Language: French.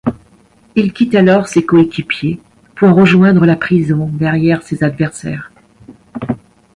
Il quitte alors ses coéquipiers pour rejoindre la prison derrière ses adversaires.